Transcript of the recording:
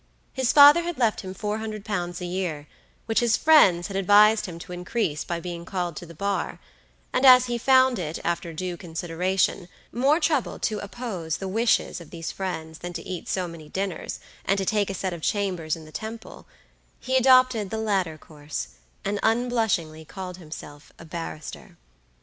His father had left him £400 a year, which his friends had advised him to increase by being called to the bar; and as he found it, after due consideration, more trouble to oppose the wishes of these friends than to eat so many dinners, and to take a set of chambers in the Temple, he adopted the latter course, and unblushingly called himself a barrister.